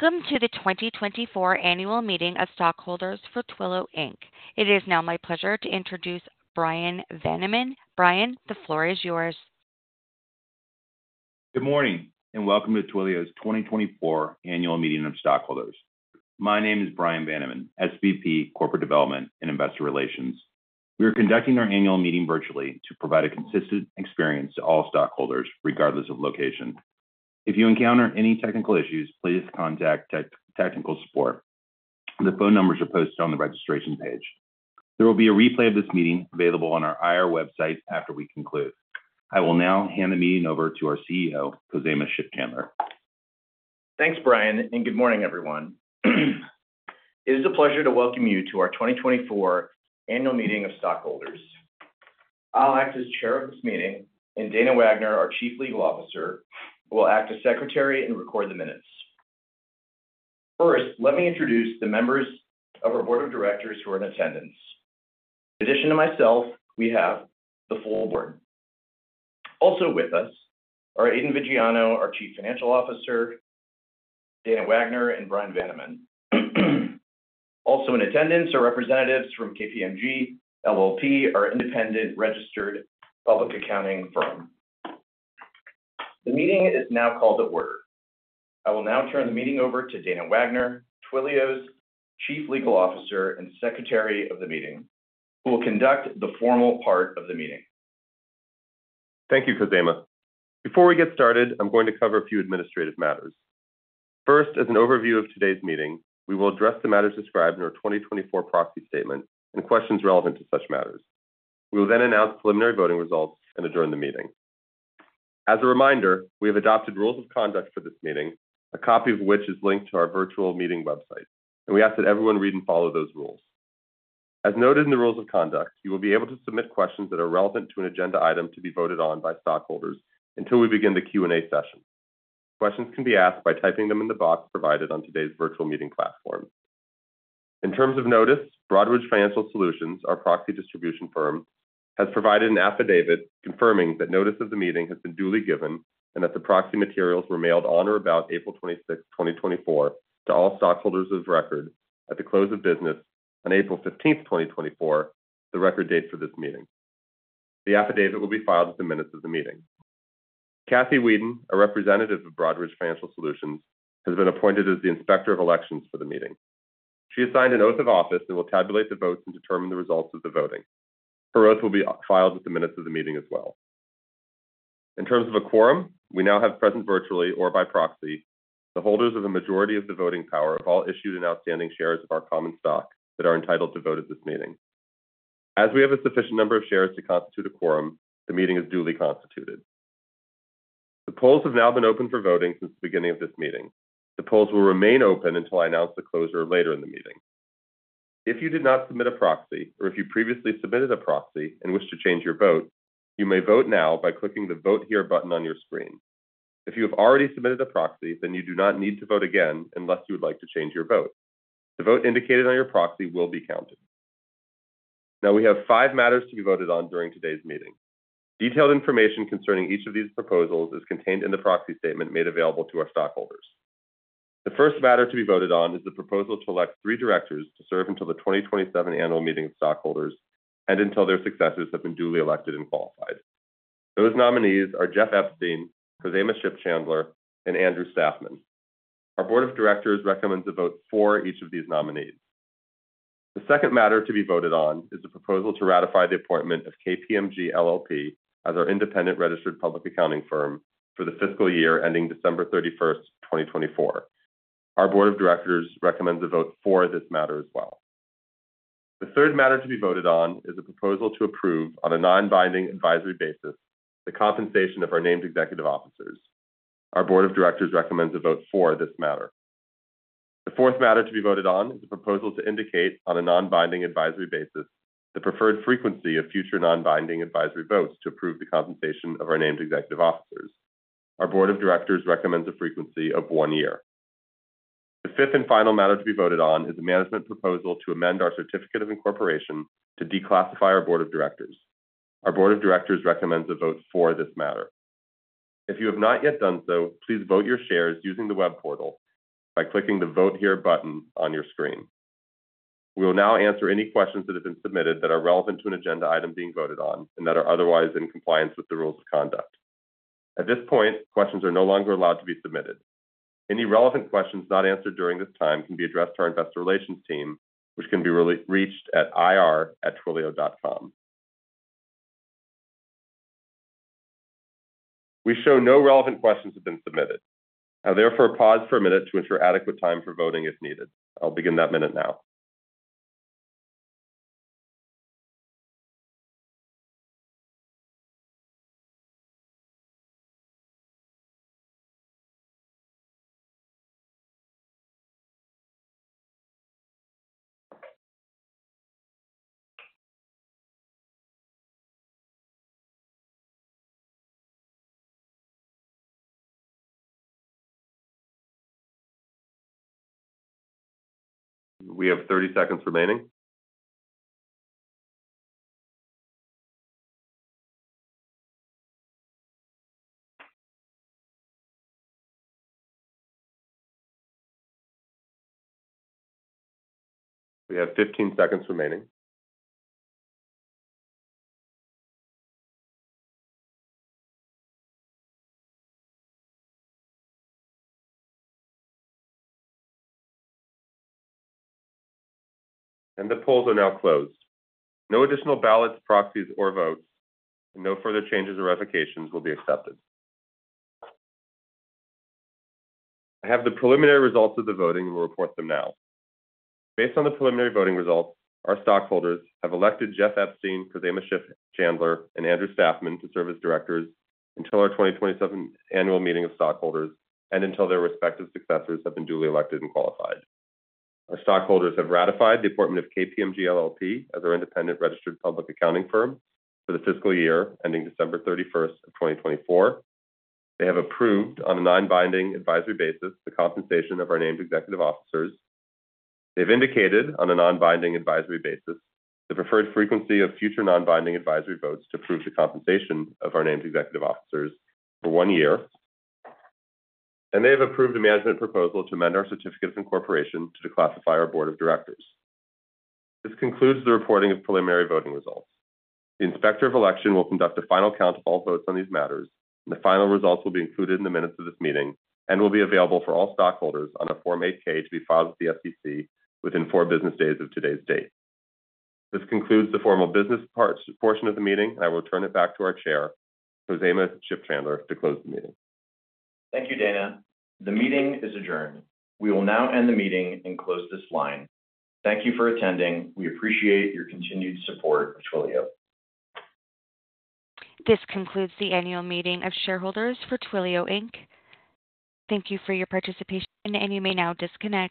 Welcome to the 2024 annual meeting of stockholders for Twilio Inc. It is now my pleasure to introduce Bryan Vaniman. Bryan, the floor is yours. Good morning, and welcome to Twilio's 2024 annual meeting of stockholders. My name is Bryan Vaniman, SVP, Corporate Development and Investor Relations. We are conducting our annual meeting virtually to provide a consistent experience to all stockholders, regardless of location. If you encounter any technical issues, please contact tech, technical support. The phone numbers are posted on the registration page. There will be a replay of this meeting available on our IR website after we conclude. I will now hand the meeting over to our CEO, Khozema Shipchandler. Thanks, Bryan, and good morning, everyone. It is a pleasure to welcome you to our 2024 annual meeting of stockholders. I'll act as chair of this meeting, and Dana Wagner, our Chief Legal Officer, will act as Secretary and record the minutes. First, let me introduce the members of our Board of Directors who are in attendance. In addition to myself, we have the full board. Also with us are Aidan Viggiano, our Chief Financial Officer, Dana Wagner, and Bryan Vaniman. Also in attendance are representatives from KPMG LLP, our independent registered public accounting firm. The meeting is now called to order. I will now turn the meeting over to Dana Wagner, Twilio's Chief Legal Officer and Secretary of the meeting, who will conduct the formal part of the meeting. Thank you, Khozema. Before we get started, I'm going to cover a few administrative matters. First, as an overview of today's meeting, we will address the matters described in our 2024 proxy statement and questions relevant to such matters. We will then announce preliminary voting results and adjourn the meeting. As a reminder, we have adopted rules of conduct for this meeting, a copy of which is linked to our virtual meeting website, and we ask that everyone read and follow those rules. As noted in the rules of conduct, you will be able to submit questions that are relevant to an agenda item to be voted on by stockholders until we begin the Q&A session. Questions can be asked by typing them in the box provided on today's virtual meeting platform. In terms of notice, Broadridge Financial Solutions, our proxy distribution firm, has provided an affidavit confirming that notice of the meeting has been duly given and that the proxy materials were mailed on or about April 26, 2024, to all stockholders of record at the close of business on April 15th, 2024, the record date for this meeting. The affidavit will be filed with the minutes of the meeting. Kathy Weeden, a representative of Broadridge Financial Solutions, has been appointed as the inspector of elections for the meeting. She has signed an oath of office and will tabulate the votes and determine the results of the voting. Her oath will be filed with the minutes of the meeting as well. In terms of a quorum, we now have present, virtually or by proxy, the holders of the majority of the voting power of all issued and outstanding shares of our common stock that are entitled to vote at this meeting. As we have a sufficient number of shares to constitute a quorum, the meeting is duly constituted. The polls have now been open for voting since the beginning of this meeting. The polls will remain open until I announce the closure later in the meeting. If you did not submit a proxy or if you previously submitted a proxy and wish to change your vote, you may vote now by clicking the Vote Here button on your screen. If you have already submitted a proxy, then you do not need to vote again unless you would like to change your vote. The vote indicated on your proxy will be counted. Now, we have five matters to be voted on during today's meeting. Detailed information concerning each of these proposals is contained in the proxy statement made available to our stockholders. The first matter to be voted on is the proposal to elect three directors to serve until the 2027 annual meeting of stockholders and until their successors have been duly elected and qualified. Those nominees are Jeff Epstein, Khozema Shipchandler, and Andrew Stafman. Our Board of Directors recommends a vote for each of these nominees. The second matter to be voted on is the proposal to ratify the appointment of KPMG LLP as our independent registered public accounting firm for the fiscal year ending December 31st, 2024. Our Board of Directors recommends a vote for this matter as well. The third matter to be voted on is a proposal to approve, on a non-binding advisory basis, the compensation of our named executive officers. Our Board of Directors recommends a vote for this matter. The fourth matter to be voted on is a proposal to indicate, on a non-binding advisory basis, the preferred frequency of future non-binding advisory votes to approve the compensation of our named executive officers. Our Board of Directors recommends a frequency of one year. The fifth and final matter to be voted on is a management proposal to amend our certificate of incorporation to declassify our Board of Directors. Our Board of Directors recommends a vote for this matter. If you have not yet done so, please vote your shares using the web portal by clicking the vote here button on your screen. We will now answer any questions that have been submitted that are relevant to an agenda item being voted on and that are otherwise in compliance with the rules of conduct. At this point, questions are no longer allowed to be submitted. Any relevant questions not answered during this time can be addressed to our investor relations team, which can be reached at ir@twilio.com. We show no relevant questions have been submitted. I'll therefore pause for a minute to ensure adequate time for voting if needed. I'll begin that minute now. We have 30 seconds remaining. We have 15 seconds remaining. The polls are now closed. No additional ballots, proxies, or votes, and no further changes or revocations will be accepted. I have the preliminary results of the voting and will report them now. Based on the preliminary voting results, our stockholders have elected Jeff Epstein, Khozema Shipchandler, and Andrew Stafman to serve as directors until our 2027 annual meeting of stockholders and until their respective successors have been duly elected and qualified. Our stockholders have ratified the appointment of KPMG LLP as our independent registered public accounting firm for the fiscal year ending December 31st, 2024. They have approved, on a non-binding advisory basis, the compensation of our named executive officers. They've indicated, on a non-binding advisory basis, the preferred frequency of future non-binding advisory votes to approve the compensation of our named executive officers for one year. They have approved a management proposal to amend our Certificate of Incorporation to declassify our Board of Directors. This concludes the reporting of preliminary voting results. The Inspector of Election will conduct a final count of all votes on these matters, and the final results will be included in the minutes of this meeting and will be available for all stockholders on a Form 8-K to be filed with the SEC within four business days of today's date. This concludes the formal business portion of the meeting, and I will turn it back to our chair, Khozema Shipchandler, to close the meeting. Thank you, Dana. The meeting is adjourned. We will now end the meeting and close this line. Thank you for attending. We appreciate your continued support of Twilio. This concludes the annual meeting of shareholders for Twilio Inc. Thank you for your participation, and you may now disconnect.